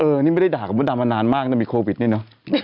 เออนี่ไม่ได้ด่ากับผู้ตำมานานมากโควิดนี่เนอะ